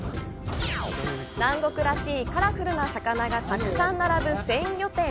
南国らしいカラフルな魚がたくさん並ぶ鮮魚店！